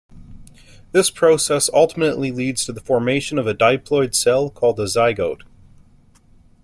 This process ultimately leads to the formation of a diploid cell called a zygote.